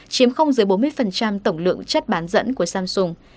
chiếm không dưới bốn mươi tổng lượng chất bán dẫn của samsung